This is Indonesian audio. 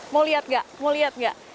mau lihat gak